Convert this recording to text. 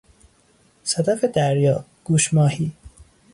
صدف دریا، گوش ماهی